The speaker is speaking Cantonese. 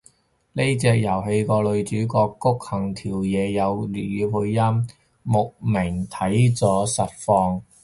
呢隻遊戲個女主角谷恆條嘢有粵語配音，慕名睇咗實況